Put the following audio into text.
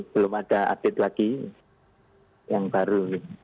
belum ada update lagi yang baru